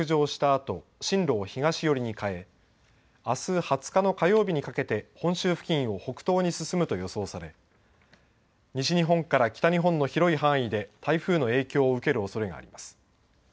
あと進路を東寄りに変えあす２０日の火曜日にかけて本州付近を北東に進むと予想され西日本から北日本の広い範囲で台風の影響を受けるおそれがあります。